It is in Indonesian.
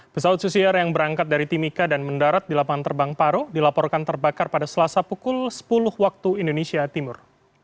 pesawat susier yang berangkat dari timika dan mendarat di lapangan terbang paro dilaporkan terbakar pada selasa pukul sepuluh waktu indonesia timur